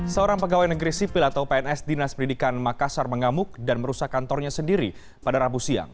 seorang pegawai negeri sipil atau pns dinas pendidikan makassar mengamuk dan merusak kantornya sendiri pada rabu siang